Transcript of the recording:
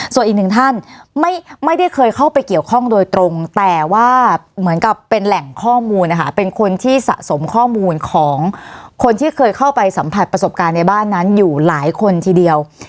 ส่วนอีกหนึ่งท่านไม่ได้เคยเข้าไปเกี่ยวข้องโดยตรงแต่ว่าเหมือนกับเป็นแหล่งข้อมูลนะคะเป็นคนที่สะสมข้อมูลของคนที่เคยเข้าไปสัมผัสประสบการณ์ในบ้านนั้นอยู่หลายคนทีเดียว